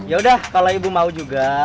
yaudah kalau ibu mau juga